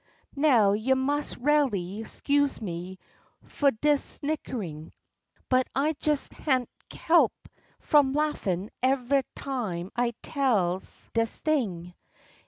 Now you mus' raley 'scuse me fu' dis snickering, But I jes can't he'p f'om laffin' eveh time I tells dis thing.